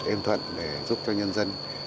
êm thuận để giúp cho nhân dân